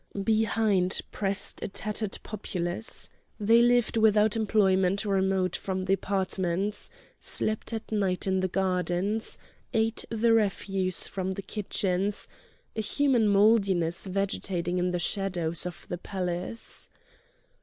Behind pressed a tattered populace. They lived without employment remote from the apartments, slept at night in the gardens, ate the refuse from the kitchens,—a human mouldiness vegetating in the shadow of the palace.